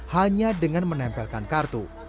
hanya dengan menempelkan kartu